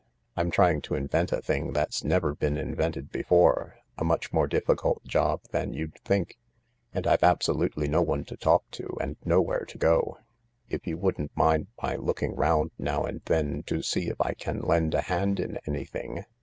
I'm trying to invent a thing that's never been invented before — a much more difficult job than you'd think— and I've absolutely no one to talk to and nowhere to go. If you wouldn't mind my looking round now and then to see if I can lend a hand in anything